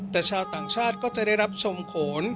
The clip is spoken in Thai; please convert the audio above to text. แต่ชาวต่างชาติก็จะได้รับชมโขน